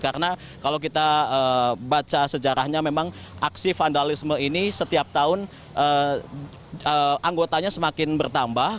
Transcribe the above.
karena kalau kita baca sejarahnya memang aksi vandalisme ini setiap tahun anggotanya semakin bertambah